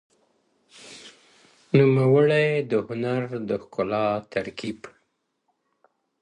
نوموړی د هنر دښکلا ترکیب